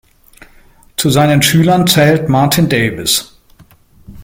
Zu seinen Schülern zählt Martin Davis.